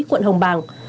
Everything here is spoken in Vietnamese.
quận hồng bàng